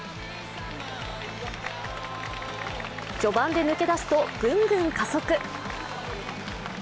序盤で抜け出すと、ぐんぐん加速。